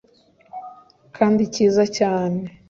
kandi cyiza cyane